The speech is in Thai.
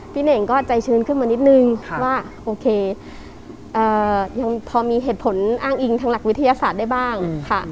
เน่งก็ใจชื้นขึ้นมานิดนึงว่าโอเคยังพอมีเหตุผลอ้างอิงทางหลักวิทยาศาสตร์ได้บ้างค่ะ